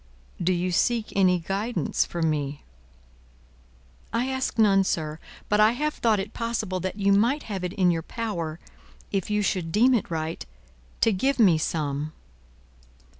"Do you seek any guidance from me?" "I ask none, sir. But I have thought it possible that you might have it in your power, if you should deem it right, to give me some."